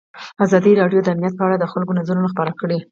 ازادي راډیو د امنیت په اړه د خلکو نظرونه خپاره کړي.